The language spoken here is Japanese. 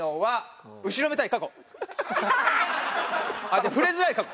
じゃあ触れづらい過去。